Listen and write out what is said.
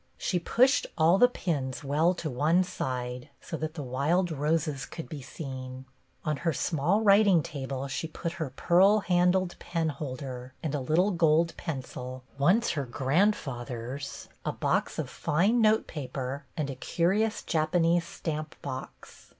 She pushed all the pins well to one side so that the wild roses could be seen. On her small writing table she put her pearl handled penholder and a little gold pencil, once her grandfather's, a box of fine note paper, and a curious Japanese stamp box.